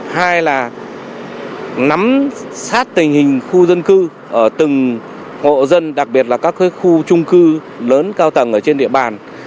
hai là nắm sát tình hình khu dân cư ở từng hộ dân đặc biệt là các khu trung cư lớn cao tầng ở trên địa bàn